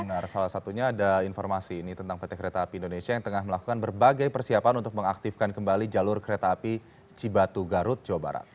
nah salah satunya ada informasi ini tentang pt kereta api indonesia yang tengah melakukan berbagai persiapan untuk mengaktifkan kembali jalur kereta api cibatu garut jawa barat